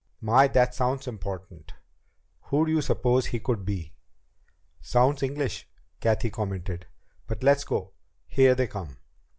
My, that sounds important. Who do you suppose he could be?" "Sounds English," Cathy commented. "But let's go. Here they come."